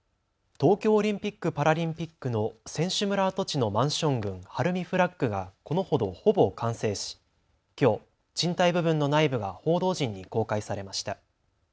東京オリンピック・パラリンピックの選手村跡地のマンション群、晴海フラッグがこのほどほぼ完成しきょう賃貸部分の内部が報道陣に公開されました。